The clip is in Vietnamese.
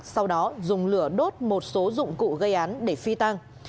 sau đó dùng lửa đốt một số dụng cụ gây án để phi tăng